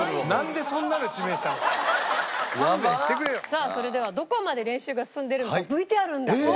さあそれではどこまで練習が進んでるのかＶＴＲあるんだ。